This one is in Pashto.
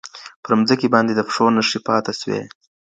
پر مځکي باندي د پښو نښي پاته سوې.